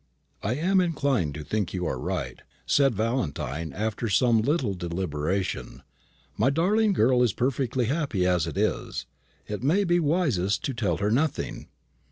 "I am inclined to think you are right," said Valentine, after some little deliberation. "My darling girl is perfectly happy as it is. It may be wisest to tell her nothing."